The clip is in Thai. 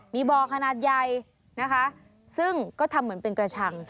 มีบ่อขนาดใหญ่นะคะซึ่งก็ทำเหมือนเป็นกระชัง